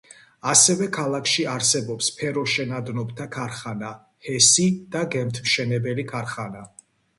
ასევე ქალაქში არსებობს ფეროშენადნობთა ქარხანა, ჰესი და გემთმშენებელი ქარხნა.